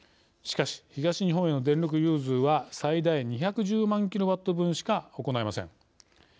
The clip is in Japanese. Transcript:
しかし、東日本への電力融通は最大２１０万キロワット分しか行えません。